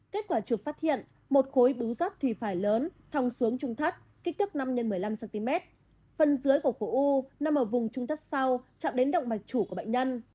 kết quả chụp phát hiện một khối bíu rắp thì phải lớn thong xuống trung thắt kích thước năm x một mươi năm cm phần dưới của khối u nằm ở vùng trung thắt sau chạm đến động mạch chủ của bệnh nhân